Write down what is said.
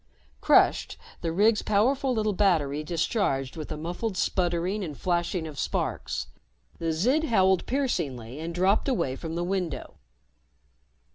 Crushed, the rig's powerful little battery discharged with a muffled sputtering and flashing of sparks. The Zid howled piercingly and dropped away from the window.